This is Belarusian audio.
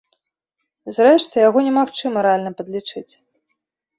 Зрэшты, яго немагчыма рэальна падлічыць.